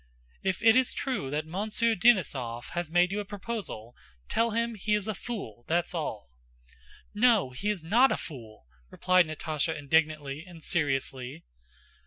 "If it is true that Monsieur Denísov has made you a proposal, tell him he is a fool, that's all!" "No, he's not a fool!" replied Natásha indignantly and seriously.